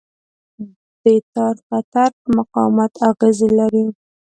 د تار قطر په مقاومت اغېز لري.